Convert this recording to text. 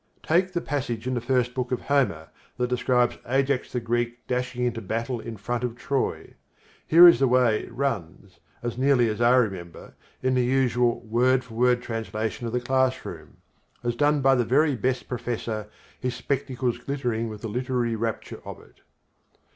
Take the passage in the First Book of Homer that describes Ajax the Greek dashing into the battle in front of Troy. Here is the way it runs (as nearly as I remember), in the usual word for word translation of the classroom, as done by the very best professor, his spectacles glittering with the literary rapture of it.